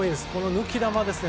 抜き球ですね。